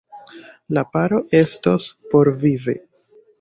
La paro estos porvive.